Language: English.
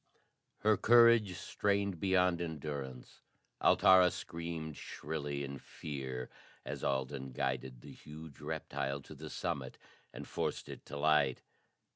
Her courage strained beyond endurance, Altara screamed shrilly in fear as Alden guided the huge reptile to the summit and forced it to light.